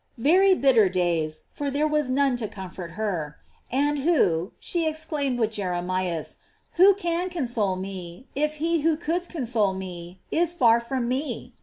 Very bitter days, for there was none to comfort her. And who, she exclaimed with Jeremias, who can console me if he who could console me is far from me?